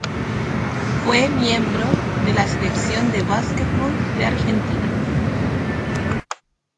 Fue miembro de la Selección de básquetbol de Argentina.